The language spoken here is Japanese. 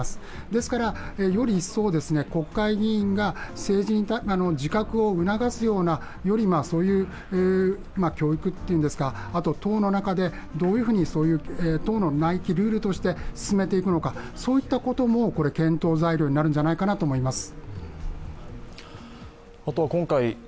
ですから、より一層、国会議員が政治に自覚を促すようなそういう教育というんですか、あと党の中でどういうふうに党の内規ルールとして進めていくのか、そういったことも検討材料になるんじゃないかなと思います。